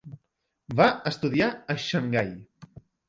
Va estudiar a Xangai.